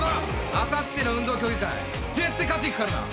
あさっての運動競技会絶対勝ちいくからな！